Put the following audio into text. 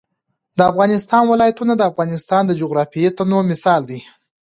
د افغانستان ولايتونه د افغانستان د جغرافیوي تنوع مثال دی.